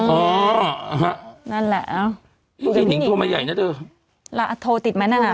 อ๋ออ๋อฮะนั่นแหละอ๋อพี่นิงโทรมาใหญ่น่ะเถอะโทรติดไหมนั่นอ่ะ